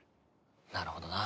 なるほどな。